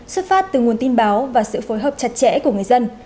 xuất phát từ nguồn tin báo và sự phối hợp chặt chẽ của người dân